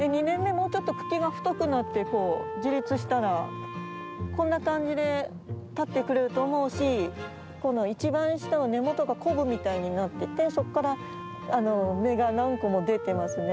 もうちょっと茎が太くなってこう自立したらこんな感じで立ってくれると思うしこの一番下の根元がコブみたいになっててそこから芽が何個も出てますね。